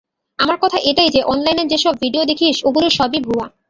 আমার কথা এটাই যে, অনলাইনে যেসব ভিডিও দেখিস, ওগুলোর সবই ভুয়া।